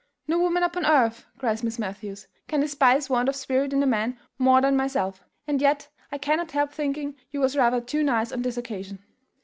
"No woman upon earth," cries Miss Matthews, "can despise want of spirit in a man more than myself; and yet I cannot help thinking you was rather too nice on this occasion."